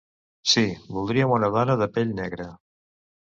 Sí, voldríem una dona de pell negra.